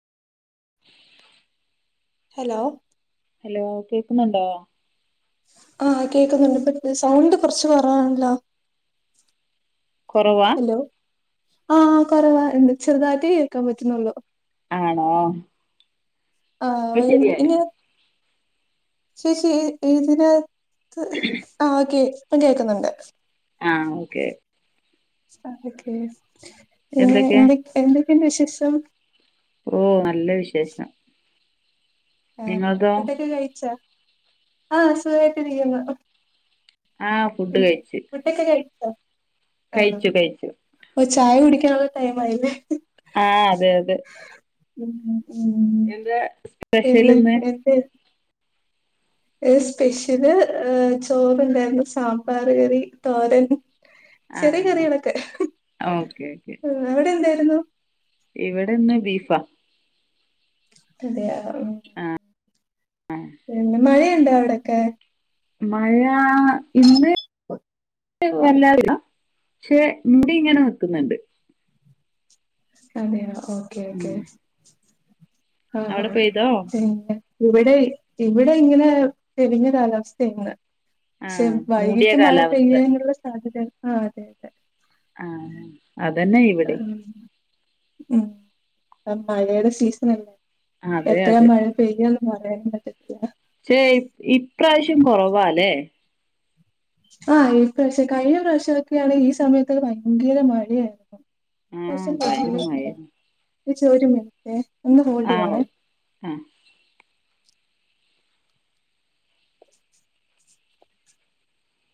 Hello hello കേക്കുന്നുണ്ടോ? ആ കേക്കുന്നുണ്ട് ബട്ട്‌ സൗണ്ട് കൊറച്ച് കൊറവാണല്ലോ കുറവാ ഹലോ ആ കൊറവാ എന്താ ചെറുതായിട്ടേ കേൾക്കാൻ പറ്റുന്നുള്ളു ആണോ ഇപ്പൊ ശരിയായോ [unintelligible] ചേച്ചി ഇതിനകത്ത് ആ ഓക്കെ ഇപ്പം കേക്കുന്നുണ്ട് ആ ഓക്കെ. ഓക്കെ പിന്നെ എന്തൊക്കെ എന്ത എന്തൊക്കെയുണ്ട് വിശേഷം ഓഹ് നല്ല വിശേഷം ആ നിങ്ങളതോ ഫുഡൊക്കെ കഴിച്ചോ ആ സുഖായിട്ടിരിക്കുന്നു ആഹ് ഫുഡ് ഉം കഴിച്ച് ഫുഡൊക്കെ [unintelligible] കയിച്ചു കയിച്ചു. അപ്പ ചായ കുടിക്കാനുള്ള ടൈം ആയില്ലേ? ആഹ് അതെ അതെ. ഉം ഉം ഉം എന്താ സ്പെഷ്യൽ പിന്നെ ഇന്ന് എന്ത്? സ്പെഷ്യല് ചോറുണ്ടായിരുന്നു, സാമ്പാറ് കറി, തോരൻ ചെറിയ ആഹ് കറികളൊക്കെ. ഓക്കെ അവിടെന്തായിരുന്നു? ഇവിടിന്ന് ബീഫാ. അതെയോ? ആ പിന്നെ മഴയുണ്ടോ അവിടൊക്കെ? മഴ ഇന്ന് മഴ [unintelligible] ഇല്ല. പക്ഷെ മൂടി ഇങ്ങനെ നിക്കുന്നുണ്ട്. അതെയോ? ഓക്കെ ഉം ഓക്കെ. അവിടെ ആഹ് പെയ്തോ പിന്നെ ഇവിടെ ഇവിടെ ഇങ്ങനെ തെളിഞ്ഞ കാലാവസ്ഥയിന്ന് ക്ഷെ ആഹ് മൂടിയ വൈകിട്ട് മഴ കാലാവസ്ഥ പെയ്യാനുള്ള സാധ്യത. ആ അതെ അതെ ആഹ് അതെന്നെ ഇവിടേം ഉം ഉം. ഇപ്പം മഴയുടെ സീസണല്ലേ? അതെ എത്രയാ മഴ പെയ്യ പറയണ്ടത് പക്ഷെ ഇപ്രാവശ്യം കുറവാ ല്ലേ? ആഹ് ഇപ്രാവശ്യം. കഴിഞ്ഞ പ്രാവശ്യമൊക്കെയാണേ ഈ സമയത്ത് ഭയങ്കര മഴയാ പക്ഷേ ആഹ് ഭയങ്കര ചേച്ചി മഴയായിരുന്നു ചേച്ചീ ഒരു മിനുറ്റെ ആ ആ